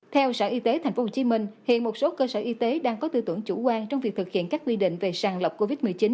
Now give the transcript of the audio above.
theo sở y tế tp hcm hiện một số cơ sở y tế đang có tư tưởng chủ quan trong việc thực hiện các quy định về sàng lọc covid một mươi chín